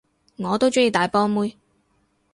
我都鍾意大波妹